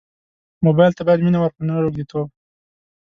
موبایل ته باید مینه ورکړو نه روږديتوب.